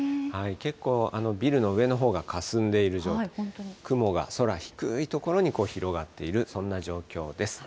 結構ビルの上のほうがかすんでいる状況、雲が空低い所に広がっている、そんな状況です。